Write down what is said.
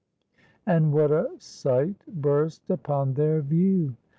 "And what a sight burst upon their view!